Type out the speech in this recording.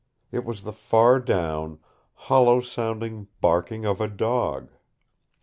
It was the far down, hollow sounding barking of a dog.